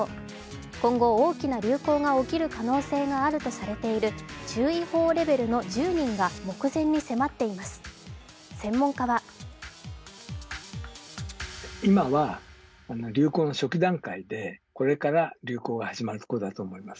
今後、大きな流行が起きる可能性があるとされている、注意報レベルの１０人が目前に迫っています。